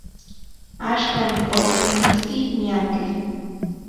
Axkan, okinkitski miakej.